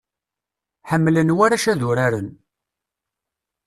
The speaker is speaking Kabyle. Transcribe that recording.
Ḥemmlen warrac ad uraren.